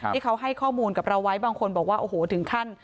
ที่เขาให้ข้อมูลกับเราไว้บางคนบอกว่าโอ้โหถึงขั้น